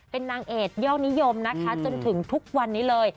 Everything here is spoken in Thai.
เป็นนางเอกยอดนิยมนะคะจนถึงทุกวันนี้เลย